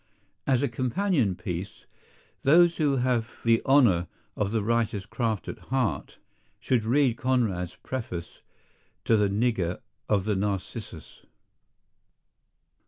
As a companion piece, those who have the honor of the writer's craft at heart should read Conrad's preface to The Nigger of the Narcissus.